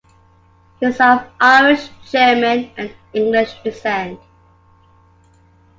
He is of Irish, German, and English descent.